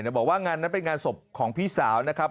บอกว่างานนั้นเป็นงานศพของพี่สาวนะครับ